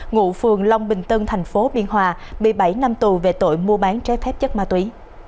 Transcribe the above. ngụ phường long bình tân thành phố biên hòa bị bảy năm tù về tội mua bán trái phép chất ma túy